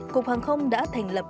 cục hàng không đã thành lập